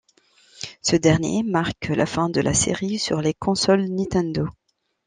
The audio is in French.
Ce dernier marque la fin de la série sur les consoles Nintendo.